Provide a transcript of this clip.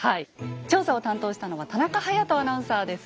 調査を担当したのは田中逸人アナウンサーです。